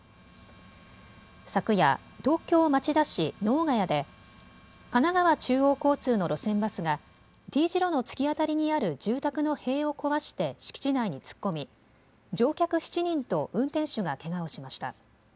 昨夜、東京町田市能ヶ谷で神奈川中央交通の路線バスがＴ字路の突き当たりにある住宅の塀を壊して敷地内に突っ込み乗客７人と運転手がけがをしました。